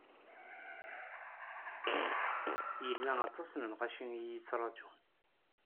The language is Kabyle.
Yella aṭas n lɣaci i yettṛaǧun.